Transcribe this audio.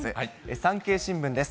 産経新聞です。